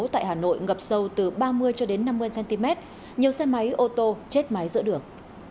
tại hà nội ngập sâu từ ba mươi cho đến năm mươi cm nhiều xe máy ô tô chết máy giữa đường